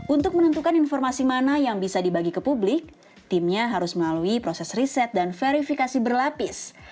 untuk menentukan informasi mana yang bisa dibagi ke publik timnya harus melalui proses riset dan verifikasi berlapis